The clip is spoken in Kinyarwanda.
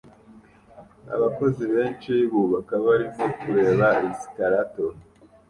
Abakozi benshi bubaka barimo kureba escalator